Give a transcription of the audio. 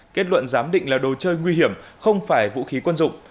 kết luận giám định là đồ chơi nguy hiểm không phải vũ khí quân dụng